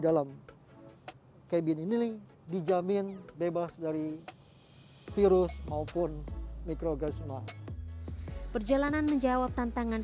dalam kayak gini nih dijamin bebas dari virus maupun mikrogan semua perjalanan menjawab tantangan